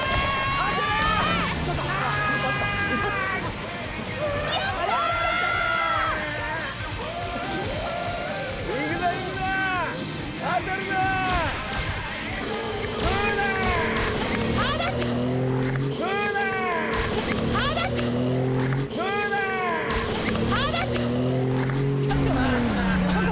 当たった！